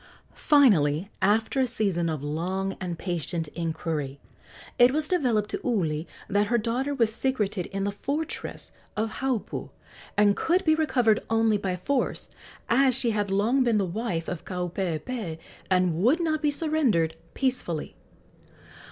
Finally, after a season of long and patient inquiry, it was developed to Uli that her daughter was secreted in the fortress of Haupu and could be recovered only by force, as she had long been the wife of Kaupeepee and would not be surrendered peacefully.